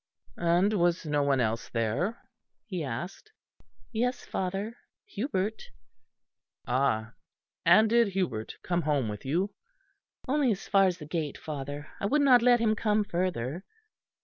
"And was no one else there?" he asked. "Yes, father, Hubert." "Ah! And did Hubert come home with you?" "Only as far as the gate, father. I would not let him come further."